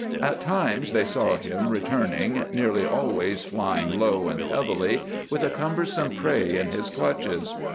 At times they saw him returning, nearly always flying low and heavily, with a cumbersome prey in his clutches.